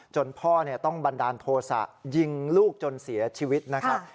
พ่อต้องบันดาลโทษะยิงลูกจนเสียชีวิตนะครับ